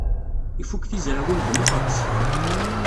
Ifuk tizrawin deg Meɣres.